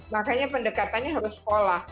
makanya pendekatannya harus sekolah